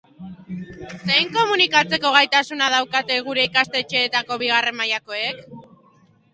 Zein komunikatzeko gaitasuna daukate gure ikastetxeetako bigarren mailakoek?